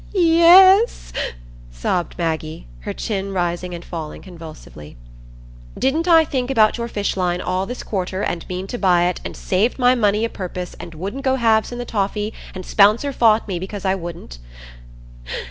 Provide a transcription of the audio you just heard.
"Ye ye es," sobbed Maggie, her chin rising and falling convulsedly. "Didn't I think about your fish line all this quarter, and mean to buy it, and saved my money o' purpose, and wouldn't go halves in the toffee, and Spouncer fought me because I wouldn't?"